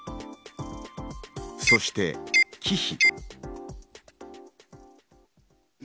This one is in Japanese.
そして忌避。